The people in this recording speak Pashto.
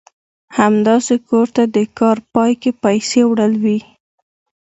همداسې کور ته د کار پای کې پيسې وړل وي.